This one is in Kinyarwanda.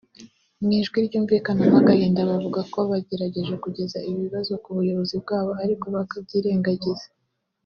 Mu ijwi ryumvikanamo agahinda bavuga ko bagerageje kugeza ibi bibazo ku buyobozi bwabo ariko bakabyirengagiza